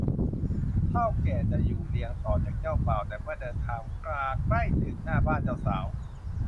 เถ้าแก่จะอยู่เรียงต่อจากเจ้าบ่าว แต่เมื่อเดินทางมาใกล้ถึงหน้าบ้านเจ้าสาว